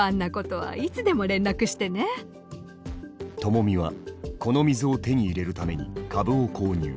ともみはこの水を手に入れるために株を購入。